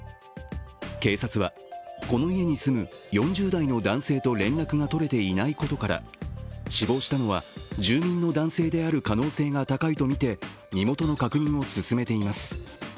警察はこの家に住む４０代の男性と連絡が取れていないことから死亡したのは住人の男性である可能性が高いとみて身元の確認を進めています。